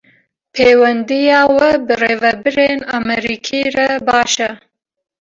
Pêwendiya we bi birêvebirên Amerîkî re baş e